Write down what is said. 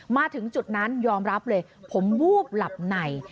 มาถึงจุดนั้นยอมรับเลยผมวูบหลับใน